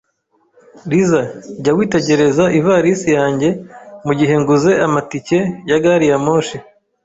Lisa, jya witegereza ivarisi yanjye mugihe nguze amatike ya gari ya moshi.